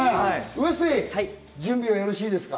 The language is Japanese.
ウエスＰ、準備はよろしいですか？